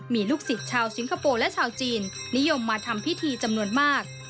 มีลูกศิษย์ชาวสิงคโปร์และชาวจีนนิยมมาทำพิธีจำนวนมาก